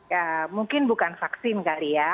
ya mungkin bukan vaksin kali ya